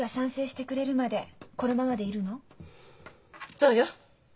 そうよ。